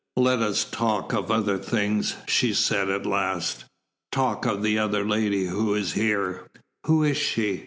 "Let us talk of other things," she said at last. "Talk of the other lady who is here. Who is she?